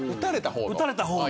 打たれた方の？